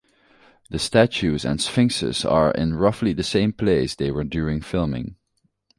The statues and sphinxes are in roughly the same place they were during filming.